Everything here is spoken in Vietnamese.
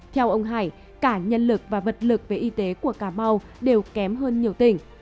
theo ông hải cả nhân lực và vật lực về y tế của cà mau đều kém hơn nhiều tỉnh